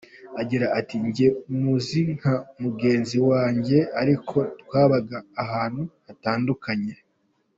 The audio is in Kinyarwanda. Agira ati “Njye muzi nka mugenzi wanjye ariko twabaga ahantu hatandukanye”.